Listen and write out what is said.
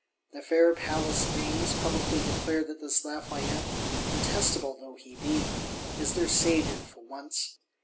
The fair Palace Dames publicly declare that this Lafayette, detestable though he be, is their saviour for once.